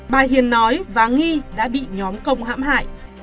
bà hiền nói và nghi đã bị nhóm công hãm hại